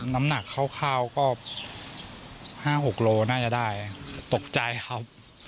น้ำหนักคร่าวก็๕๖โลน่าจะได้ตกใจครับ